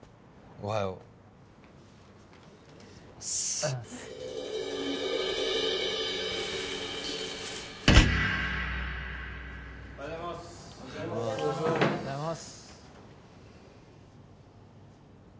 おはようございます。